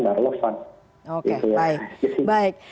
baik baik baik